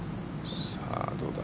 さあ、どうだ。